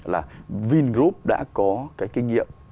là vingroup đã có cái kinh nghiệm